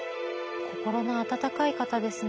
心の温かい方ですね。